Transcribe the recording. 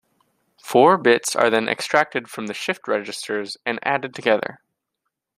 Four bits are then extracted from the shift registers and added together.